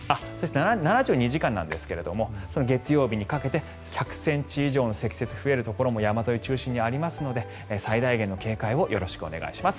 ７２時間なんですけれども月曜日にかけて１００ｃｍ以上の積雪が増えるところも山沿いを中心にありますので最大限の警戒をよろしくお願いします。